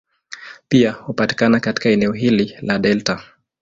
Pia hupatikana katika eneo hili la delta.